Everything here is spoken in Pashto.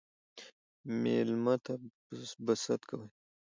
ميلمه ته به ست کوئ